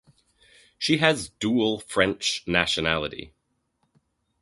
She has dual French nationality.